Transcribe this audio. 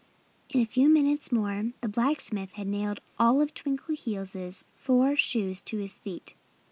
In a few minutes more the blacksmith had nailed all of Twinkleheels' four shoes to his feet.